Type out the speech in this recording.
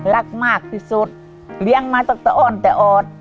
รักมากที่สุดเลี้ยงมาต่อแต่อดแต่อด